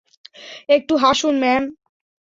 একটু হাসুন, ম্যাম!